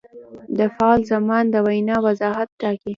د فعل زمان د وینا وضاحت ټاکي.